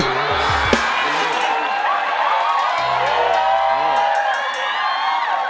โอ้โฮ